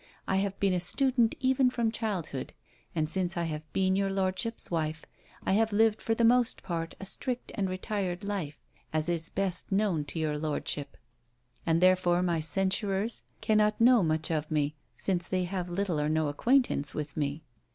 I have been a student even from childhood; and since I have been your lordship's wife I have lived for the most part a strict and retired life, as is best known to your lordship; and therefore my censurers cannot know much of me, since they have little or no acquaintance with me.